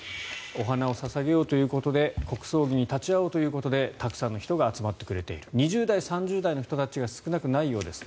お花を捧げようということで国葬儀に立ち会おうということでたくさんの人が集まってくれている２０代、３０代の人たちが少なくないようです。